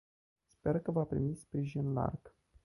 Sper că va primi sprijin larg.